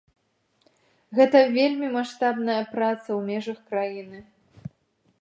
Гэта вельмі маштабная праца ў межах краіны.